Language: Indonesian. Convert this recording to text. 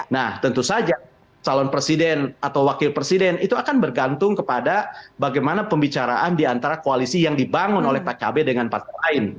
nah tentu saja calon presiden atau wakil presiden itu akan bergantung kepada bagaimana pembicaraan diantara koalisi yang dibangun oleh pkb dengan partai lain